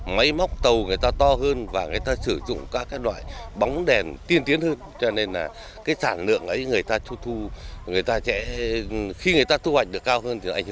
khi người ta thu hoạch được cao hơn thì nó ảnh hưởng đến chặt đường của mình